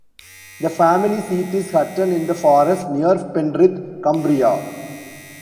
The family seat is Hutton in the Forest, near Penrith, Cumbria.